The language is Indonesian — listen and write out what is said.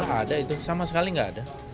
tidak ada itu sama sekali tidak ada